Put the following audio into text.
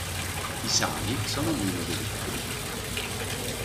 I sali sono meno delicati.